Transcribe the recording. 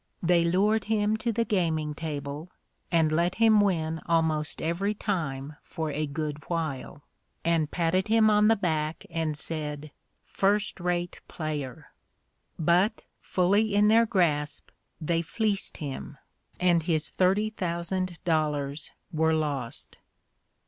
They lured him to the gaming table and let him win almost every time for a good while, and patted him on the back and said, "First rate player." But, fully in their grasp, they fleeced him; and his thirty thousand dollars were lost.